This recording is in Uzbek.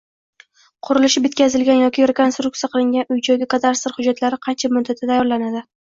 Qurilishi bitkazilgan yoki rekonstruksiya qilingan uy-joyga kadastr hujjatlari qancha muddatda tayyorlanadi?